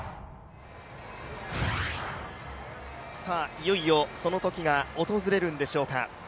いよいよそのときが訪れるんでしょうか。